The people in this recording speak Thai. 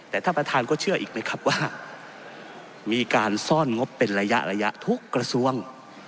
แต่ท่านประธานก็เชื่ออีกนะครับว่ามีการซ่อนงบเป็นระยะระยะทุกกระทรวง